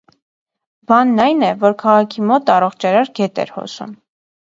Բանն այն էր, որ քաղաքի մոտ առողջարար գետ էր հոսում։